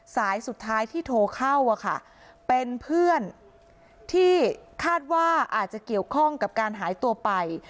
สายสุดท้ายที่โทรเข้าเป็นเพื่อนที่คาดว่าอาจจะเกี่ยวข้องกับการหายตัวไป